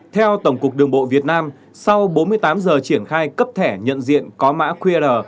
theo tổng cục đường bộ việt nam sau bốn mươi tám giờ triển khai cấp thẻ nhận diện có mã qr